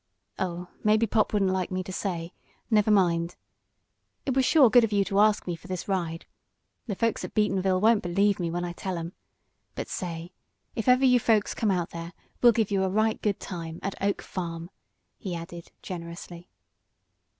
"Oh, maybe pop wouldn't like me to say. Never mind. It was sure good of you to ask me for this ride. The folks at Beatonville won't believe me when I tell 'em. But say, if ever you folks come out there, we'll give you a right good time at Oak Farm!" he added, generously.